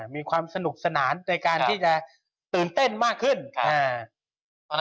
มีความสนุกสนานในการที่จะตื่นเต้นมากขึ้น